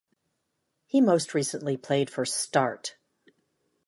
He most recently played for Start.